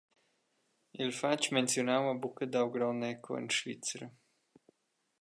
Il fatg menziunau ha buca dau grond eco en Svizra.